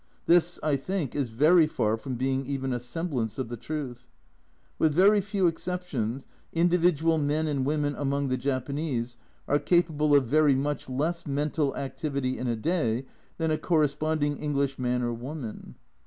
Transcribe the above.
This, I think, is very far from being even a semblance of the truth. With very few exceptions, individual men and women among the Japanese are capable of very much less mental activity in a day than a corresponding English man or woman.